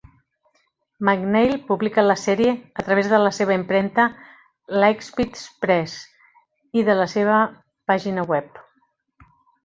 McNeil publica la sèrie a través de la seva impremta "Lightspeed Press" i de la seva pàgina web.